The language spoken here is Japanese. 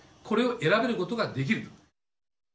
これを選べることができる。